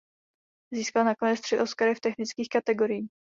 Získal nakonec tři Oscary v technických kategoriích.